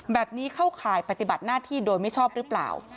แบบนี้เข้าข่ายปฏิบัติหน้าที่โดยไม่ชอบหรือเปล่า